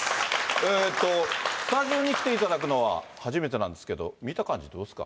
えーと、スタジオに来ていただくのは初めてなんですけど、見た感じ、どうですか？